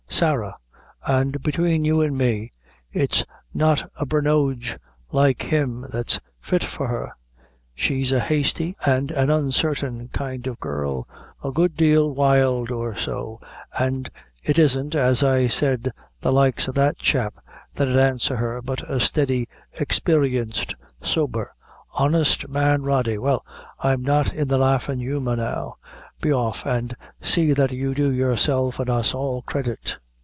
"Sarah, an' between you an' me, it's not a Brinoge like him that's fit for her. She's a, hasty and an uncertain kind of a girl :a good dale wild or so an' it isn't, as I said, the! likes o' that chap that 'id answer her, but a steady, experienced, sober " "Honest man, Rody. Well, I'm not in a laughin' humor, now; be off, an' see that you do yourself an' us all credit."